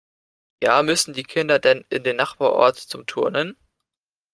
Ja müssen die Kinder dann in den Nachbarort zum Turnen?